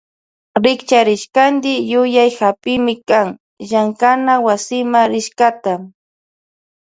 Rikcharishkanti yuyay hapimi kan llankana wasima rishkata.